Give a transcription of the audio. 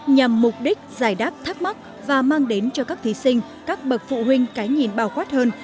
nhằm mục đích giải đáp thắc mắc và mang đến cho các thí sinh các bậc phụ huynh cái nhìn bao quát hơn